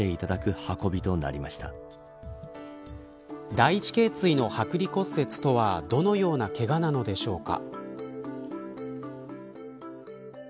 第一頸椎の剥離骨折とはどのようなけがなのでしょうか。